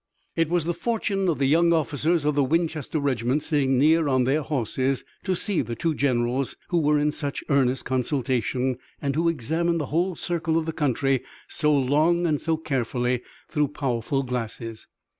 It was the fortune of the young officers of the Winchester regiment sitting near on their horses to see the two generals who were in such earnest consultation, and who examined the whole circle of the country so long and so carefully through powerful glasses.